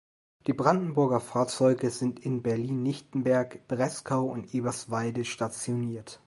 Die Brandenburger Fahrzeuge sind in Berlin-Lichtenberg, Beeskow und Eberswalde stationiert.